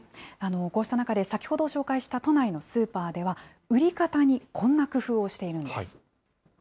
こうした中で、先ほど紹介した都内のスーパーでは、売り方にこんな工夫をしているんです。